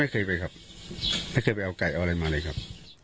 เคยไปครับไม่เคยไปเอาไก่เอาอะไรมาเลยครับ